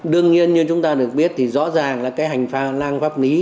đương nhiên như chúng ta được biết thì rõ ràng là cái hành pha lang pháp lý